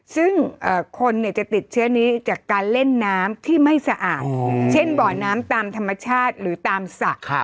ซึ่งคนจะติดเชื้อนี้จากการเล่นน้ำที่ไม่สะอาดเช่นบ่อน้ำตามธรรมชาติหรือตามสระ